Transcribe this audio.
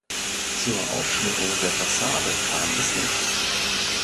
Zur Ausschmückung der Fassade kam es nicht.